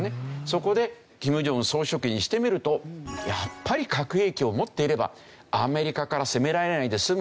そこで金正恩総書記にしてみるとやっぱり核兵器を持っていればアメリカから攻められないで済むんじゃないか。